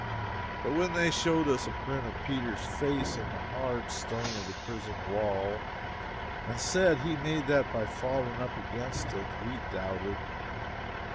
But when they showed us the print of Peter's face in the hard stone of the prison wall and said he made that by falling up against it, we doubted.